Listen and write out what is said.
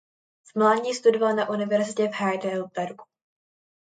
V mládí studoval na Univerzitě v Heidelbergu.